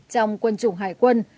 trong quân chủng hải quân